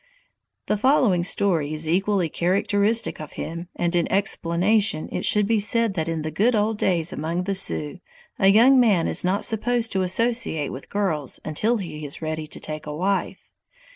The following story is equally characteristic of him, and in explanation it should be said that in the good old days among the Sioux, a young man is not supposed to associate with girls until he is ready to take a wife.